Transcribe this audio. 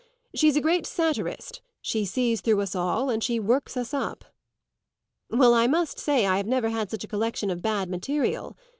"She's a great satirist; she sees through us all and she works us up." "Well, I must say I never have had such a collection of bad material!"